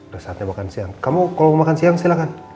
udah saatnya makan siang kamu kalau mau makan siang silahkan